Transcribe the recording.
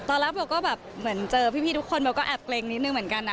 ตอนแรกเบลก็แบบเหมือนเจอพี่ทุกคนเบลก็แอบเกรงนิดนึงเหมือนกันนะ